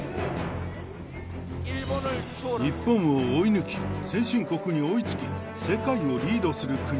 日本を追い抜き、先進国に追いつき、世界をリードする国。